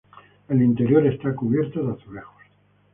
El interior está cubierto de azulejos.